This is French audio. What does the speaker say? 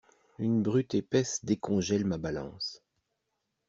Une brute épaisse décongèle ma balance.